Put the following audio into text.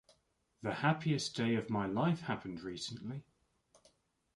The happiest day of my life happened recently.